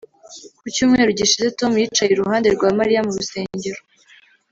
Ku cyumweru gishize Tom yicaye iruhande rwa Mariya mu rusengero